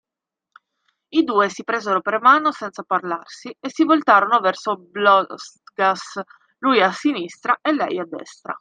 I due si presero per mano, senza parlarsi, e si voltarono verso Blostgas, lui a sinistra e lei a destra.